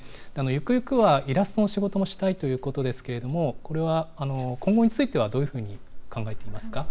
ゆくゆくは、イラストの仕事もしたいということですけれども、これは今後については、どういうふうに考えていますか。